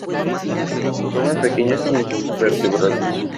Come pequeños invertebrados.